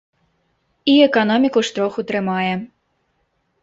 І эканоміку ж троху трымае.